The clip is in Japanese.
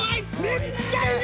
めっちゃいる！